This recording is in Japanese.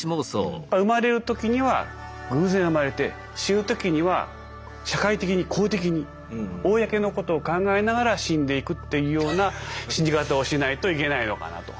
生まれる時には偶然生まれて死ぬ時には社会的に公的に公のことを考えながら死んでいくっていうような死に方をしないといけないのかなと。